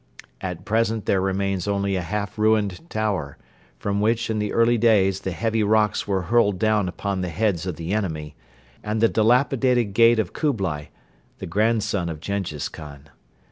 At present there remains only a half ruined tower, from which in the early days the heavy rocks were hurled down upon the heads of the enemy, and the dilapidated gate of Kublai, the grandson of Jenghiz Khan.